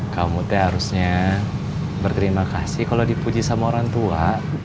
kamu tuh harusnya berterima kasih kalau dipuji sama orang tua